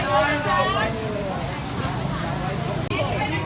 หอคลิกจิ๊มหอคลิกเติม